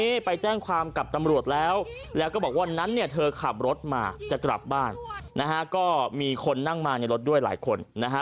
วันนี้ไปแจ้งความกับตำรวจแล้วแล้วก็บอกว่านั้นเนี่ยเธอขับรถมาจะกลับบ้านนะฮะก็มีคนนั่งมาในรถด้วยหลายคนนะฮะ